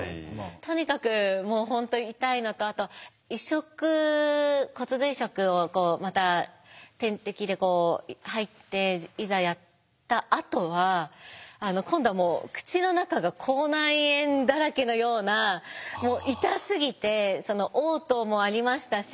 とにかくもう本当に痛いのとあと移植骨髄移植をまた点滴でこう入っていざやったあとは今度はもう口の中が口内炎だらけのような痛すぎておう吐もありましたし